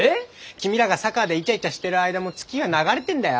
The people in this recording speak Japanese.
君らが佐川でイチャイチャしてる間も月は流れてるんだよ。